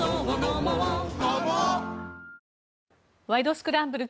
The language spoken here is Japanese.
スクランブル」